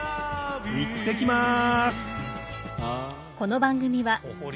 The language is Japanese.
いってきます！